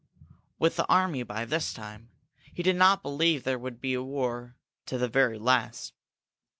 "With the army by this time! He did not believe there would be war, to the very last.